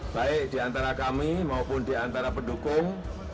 baik di antara kami maupun di antara pendukung